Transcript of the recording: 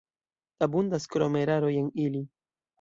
Abundas krome eraroj en ili.